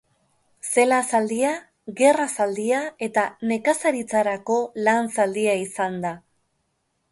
Zela zaldia, gerra zaldia eta nekazaritzarako lan zaldia izan da.